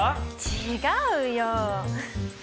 違うよ！